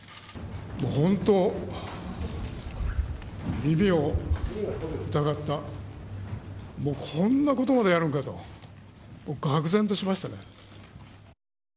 本当、耳を疑った、もう、こんなことまでやるのかと、がく然としましたね。